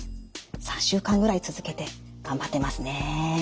３週間ぐらい続けて頑張ってますね。